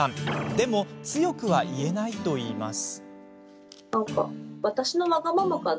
でも強くは言えないといいます。